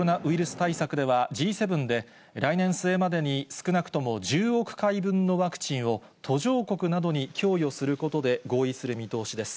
対策では、Ｇ７で、来年末までに少なくとも１０億回分のワクチンを、途上国などに供与することで合意する見通しです。